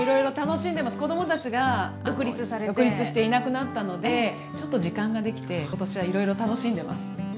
子供たちが独立していなくなったのでちょっと時間ができて今年はいろいろ楽しんでます。